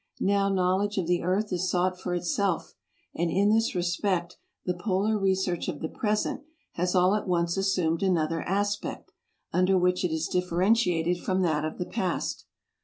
Now knowledge of the earth is sought for itself, and in this respect the polar research of the present has all at once assumed another aspect, under which it is differentiated from that of the past.